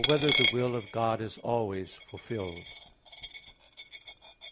6] Whether the Will of God Is Always Fulfilled?